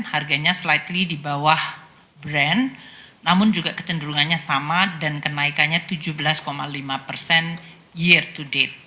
harganya slidely di bawah brand namun juga kecenderungannya sama dan kenaikannya tujuh belas lima persen year to date